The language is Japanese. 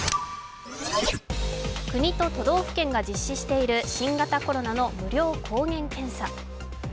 国と都道府県が実施している新型コロナの無料抗原検査。